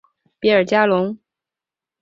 比尔加龙。